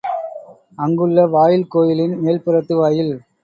அங்குள்ள வாயில் கோயிலின் மேல்புறத்து வாயில்.